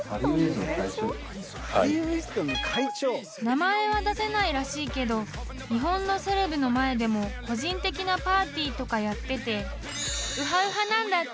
［名前は出せないらしいけど日本のセレブの前でも個人的なパーティーとかやってて］